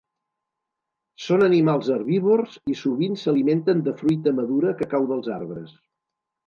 Són animals herbívors i sovint s'alimenten de fruita madura que cau dels arbres.